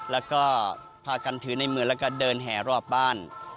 แล้วก็พากันถือในมือแล้วก็เดินแห่รอบบ้าน